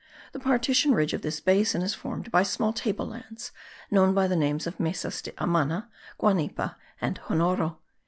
The partition ridge of this basin is formed by small table lands, known by the names of Mesas de Amana, Guanipa and Jonoro.